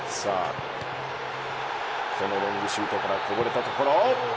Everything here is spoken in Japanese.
このロングシュートからこぼれた所。